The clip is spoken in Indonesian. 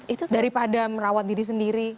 itu daripada merawat diri sendiri